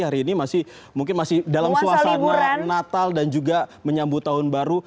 hari ini masih mungkin masih dalam suasana natal dan juga menyambut tahun baru